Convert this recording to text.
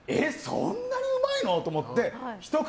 そんなにうまいのと思ってひと口